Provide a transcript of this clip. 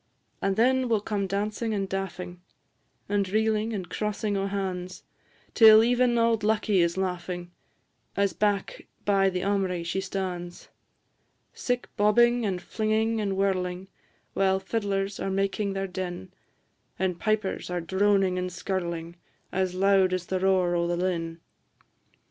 And then will come dancing and daffing, And reelin' and crossin' o' han's, Till even auld Lucky is laughing, As back by the aumry she stan's. Sic bobbing, and flinging, and whirling, While fiddlers are making their din; And pipers are droning and skirling, As loud as the roar o' the linn.